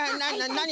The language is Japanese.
なに？